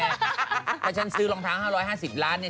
เพราะฉันซื้อรองเท้า๕๕๐ล้านเนี่ย